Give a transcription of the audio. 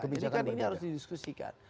jadi kan ini harus didiskusikan